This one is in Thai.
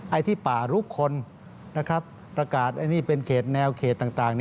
ไอ้ที่ป่าลุกคนนะครับประกาศไอ้นี่เป็นเขตแนวเขตต่าง